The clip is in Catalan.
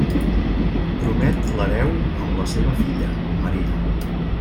Promet l'hereu amb la seva filla, Maria.